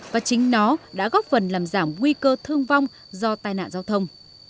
và chính nó đã góp phần làm giảm nguy cơ thương vong do tai nạn giao thông